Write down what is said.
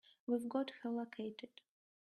We've got her located.